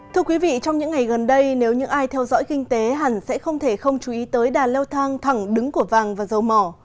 thưa quý vị trong những ngày gần đây nếu những ai theo dõi kinh tế hẳn sẽ không thể không chú ý tới đà leo thang thẳng đứng của vàng và dầu mỏ